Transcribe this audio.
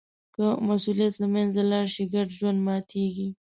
که مسوولیت له منځه لاړ شي، ګډ ژوند ماتېږي.